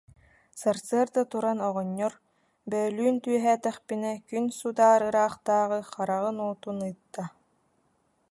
Сарсыарда туран оҕонньор: «Бөөлүүн түһээтэхпинэ, күн судаар ыраахтааҕы хараҕын уутун ыытта